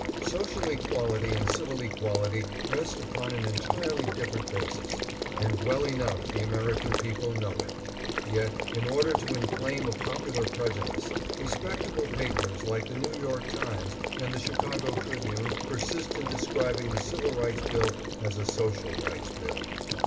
Social equality and civil equality rest upon an entirely different basis, and well enough the American people know it ; yet, in order to inflame a popular prejudice, respectable papers like the New York Times and the Chicago Tribune persist in de scribing the Civil Rights Bill as a Social Rights Bill.